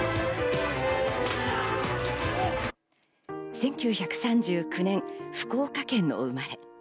１９３９年、福岡県の生まれ。